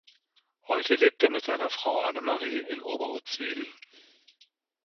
Heute lebt er mit seiner Frau Annemarie in Oberuzwil.